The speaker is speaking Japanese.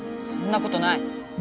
そんなことない。